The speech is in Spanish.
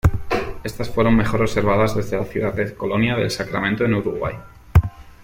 Estas fueron mejor observadas desde la ciudad de Colonia del Sacramento en Uruguay.